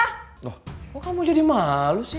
loh kok kamu jadi malu sih